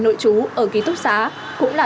nội trú ở ký thúc xá cũng là